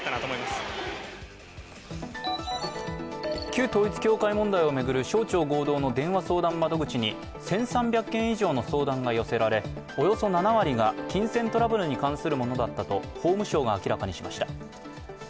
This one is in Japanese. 旧統一教会問題を巡る省庁合同の電話相談窓口に１３００件以上の相談が寄せられ、およそ７割が金銭トラブルに関するものだったと法務省が明らかにしました。